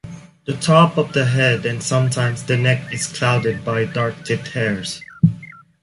The top of the head and sometimes the neck is clouded by dark-tipped hairs.